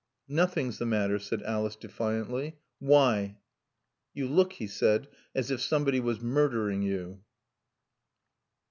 "Nothing's the matter," said Alice defiantly. "Why?" "You look," he said, "as if somebody was murdering you."